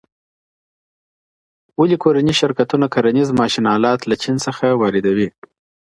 ولې کورني شرکتونه کرنیز ماشین الات له چین څخه واردوي؟